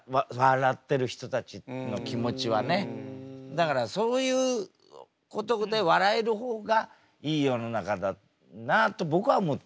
だからそういうことで笑える方がいい世の中だなと僕は思ってるんですよ。